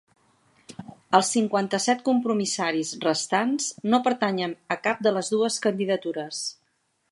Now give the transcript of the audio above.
Els cinquanta-set compromissaris restants no pertanyen a cap de les dues candidatures.